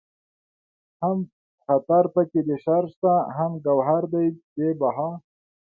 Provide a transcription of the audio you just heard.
هم خطر پکې د شر شته هم گوهر دئ بې بها